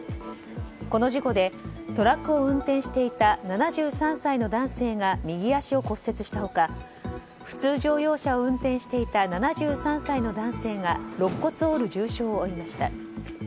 この事故でトラックを運転していた７３歳の男性が右足を骨折した他普通乗用車を運転していた７３歳の男性がろっ骨を折る重傷を負いました。